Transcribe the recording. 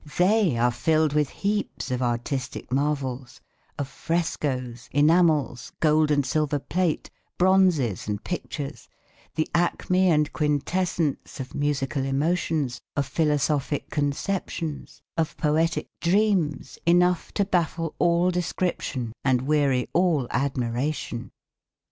They are filled with heaps of artistic marvels, of frescoes, enamels, gold and silver plate, bronzes and pictures, the acme and quintessence of musical emotions, of philosophic conceptions, of poetic dreams, enough to baffle all description, and weary all admiration.